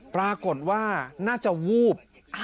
ปรากฏว่าน่าจะวูบ